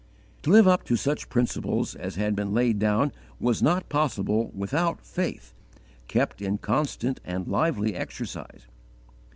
To live up to such principles as had been laid down was not possible without faith, kept in constant and lively exercise.